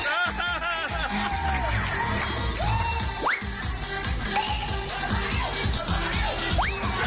อ้าว